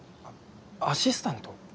アシスタント？